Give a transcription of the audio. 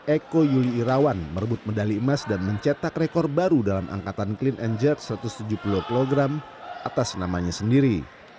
eko yuli irawan merebut medali emas dan mencetak rekor baru dalam angkatan clean and jerk satu ratus tujuh puluh kg atas namanya sendiri